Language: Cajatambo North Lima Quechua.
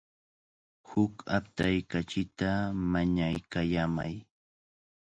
Huk aptay kachita mañaykallamay.